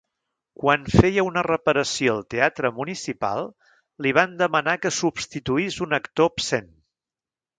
Quan feia una reparació al teatre municipal, li van demanar que substituís un actor absent.